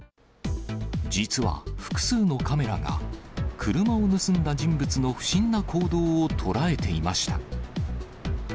実は複数のカメラが車を盗んだ人物の不審な行動を捉えていました。